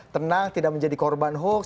tenang tidak menjadi korban hoax